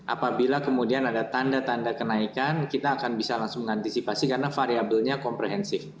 apabila kemudian ada tanda tanda kenaikan kita akan bisa langsung mengantisipasi karena variabelnya komprehensif